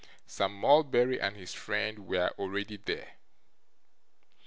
Sir Mulberry and his friend were already there.